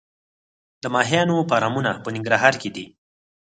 د ماهیانو فارمونه په ننګرهار کې دي